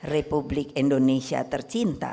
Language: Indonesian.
republik indonesia tercinta